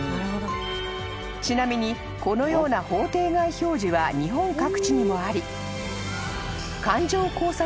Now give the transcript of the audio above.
［ちなみにこのような法定外表示は日本各地にもあり］